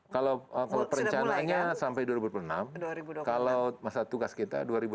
kalau perencanaannya sampai dua ribu dua puluh enam kalau masa tugas kita dua ribu dua puluh